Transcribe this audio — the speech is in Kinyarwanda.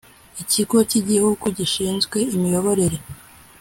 Ikigo cy Igihugu gishinzwe imiyoborere